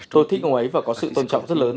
tôi thích ông ấy và có sự tôn trọng rất lớn